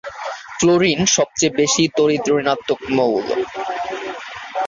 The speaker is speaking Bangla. ফ্লোরিন সবচেয়ে বেশি তড়িৎ ঋণাত্মক মৌল।